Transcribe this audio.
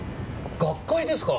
学会ですか？